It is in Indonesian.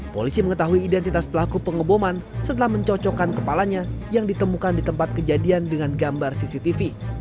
polisi mengetahui identitas pelaku pengeboman setelah mencocokkan kepalanya yang ditemukan di tempat kejadian dengan gambar cctv